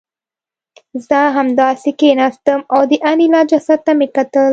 زه همداسې کېناستم او د انیلا جسد ته مې کتل